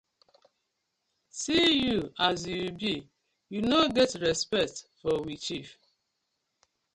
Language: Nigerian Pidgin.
See yur as yu bi, yu no get respect for we chief.